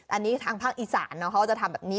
อันนี้ทางภาคอีสานเขาจะทำแบบนี้